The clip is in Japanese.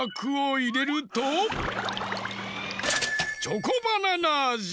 チョコバナナあじ！